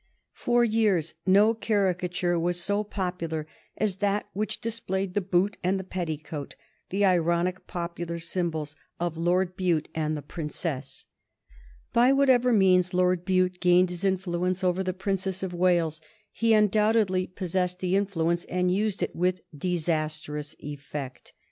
For years no caricature was so popular as that which displayed the Boot and the Petticoat, the ironic popular symbols of Lord Bute and the Princess. By whatever means Lord Bute gained his influence over the Princess of Wales, he undoubtedly possessed the influence and used it with disastrous effect.